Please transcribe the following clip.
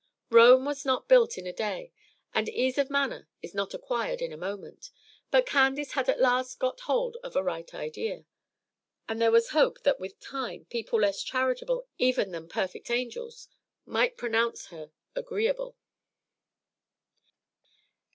Rome was not built in a day, and ease of manner is not acquired in a moment; but Candace had at last got hold of a right idea, and there was hope that with time people less charitable even than "perfect angels" might pronounce her "agreeable."